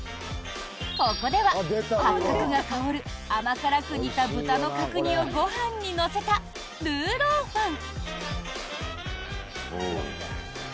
ここでは八角が香る甘辛く煮た豚の角煮をご飯に乗せたルーローファン。